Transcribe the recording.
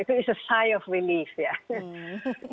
itu adalah satu kelebihan